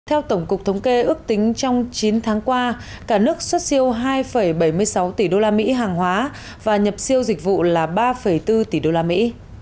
theo tổng cục thống kê ước tính trong chín tháng qua cả nước xuất siêu hai bảy mươi sáu tỷ đô la mỹ hàng hóa và nhập siêu dịch vụ là ba bốn tỷ đô la mỹ